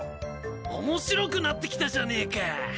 面白くなってきたじゃねえか。